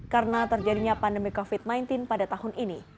karena terjadinya pandemi covid sembilan belas pada tahun ini